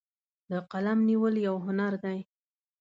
د قلم نیول یو هنر دی.